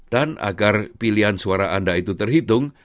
dan agar pilihan suara anda itu terhitung